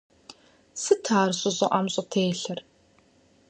Сыт ар щӀы щӀыӀэм щӀытелъыр?